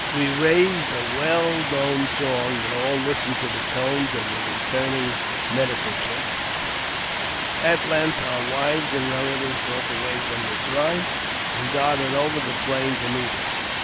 We raised a well known song, and all listened to the tones of the returning Medicine Calf. At length our wives and relatives broke away from the throng, and darted over the plain to meet us.